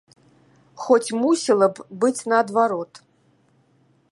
Хоць мусіла б быць наадварот.